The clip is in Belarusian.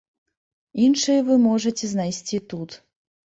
Іншыя вы можаце знайсці тут.